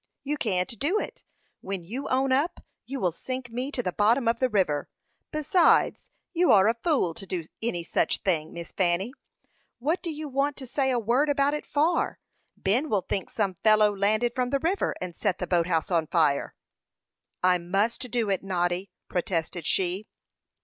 "You can't do it; when you own up, you will sink me to the bottom of the river. Besides, you are a fool to do any such thing, Miss Fanny. What do you want to say a word about it for? Ben will think some fellow landed from the river, and set the boat house on fire." "I must do it, Noddy," protested she.